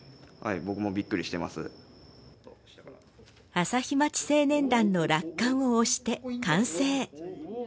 朝日町青年団の落款を押して完成。